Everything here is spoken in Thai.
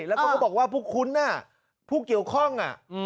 แล้วก็บอกว่าพวกคุณผู้เกี่ยวข้อง